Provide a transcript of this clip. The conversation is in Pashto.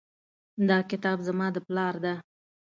دا کتاب زما د پلار ده